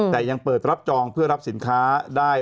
แต่ยังเปิดรับจองเพื่อรับสินค้าได้